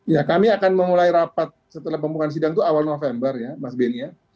ya kami akan memulai rapat setelah pembukaan sidang itu awal november ya mas benny ya